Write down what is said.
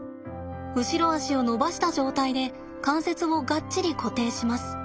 後ろ足を伸ばした状態で関節をがっちり固定します。